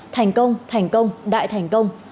thành công thành công đại thành công